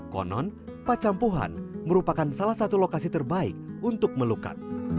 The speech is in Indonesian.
konon pacampuhan merupakan salah satu lokasi terbaik untuk melukat